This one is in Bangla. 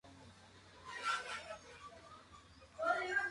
অনন্ত শেখর পঞ্চকোট রাজ্য শাসনকারী শেখর রাজবংশের দশম রাজা উদ্ধব শেখরের পুত্র ছিলেন।